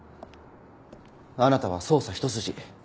あなたは捜査一筋。